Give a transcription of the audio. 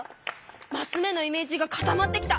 マス目のイメージが固まってきた！